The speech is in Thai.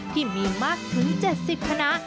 ที่มีมากถึง๗๐คณะ